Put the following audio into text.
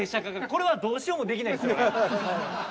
これはどうしようもできないですからね。